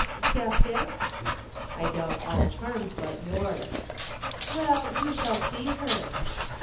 "Sceptic!" "I doubt all charms but yours." "Well, you shall see her."